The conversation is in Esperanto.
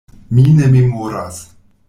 Mi ne memoras.